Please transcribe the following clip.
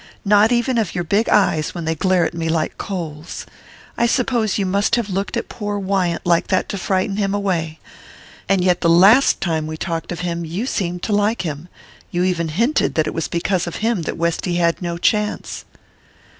Not even of your big eyes when they glare at me like coals. I suppose you must have looked at poor Wyant like that to frighten him away! And yet the last time we talked of him you seemed to like him you even hinted that it was because of him that Westy had no chance."